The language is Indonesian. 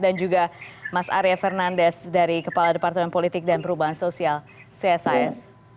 dan juga mas arya fernandes dari kepala departemen politik dan perubahan sosial csis